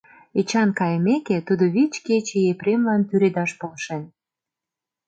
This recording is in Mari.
Эчан кайымеке, тудо вич кече Епремлан тӱредаш полшен.